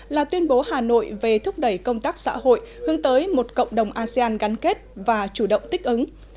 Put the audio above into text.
là tuyên bố hà nội về thúc đẩy công tác xã hội hướng tới một cộng đồng asean gắn kết và chủ động thích ứng